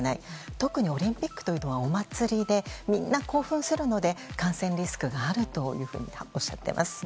特にオリンピックというのはお祭りでみんな、興奮するので感染リスクがあるとおっしゃっています。